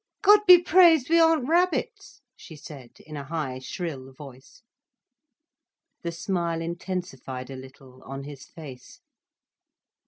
"God be praised we aren't rabbits," she said, in a high, shrill voice. The smile intensified a little, on his face.